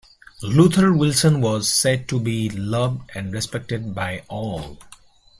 Luther Wilson was said to be loved and respected by all.